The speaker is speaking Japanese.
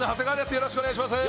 よろしくお願いします。